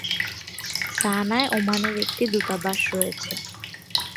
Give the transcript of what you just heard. সানায় ওমানের একটি দূতাবাস রয়েছে।